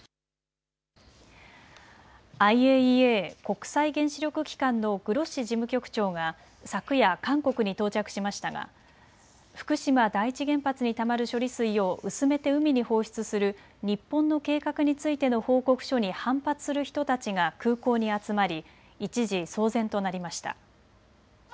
ＩＡＥＡ・国際原子力機関のグロッシ事務局長が昨夜、韓国に到着しましたが福島第一原発にたまる処理水を薄めて海に放出する日本の計画についての報告書に反発する人たちが空港に集まり一時騒然となりました。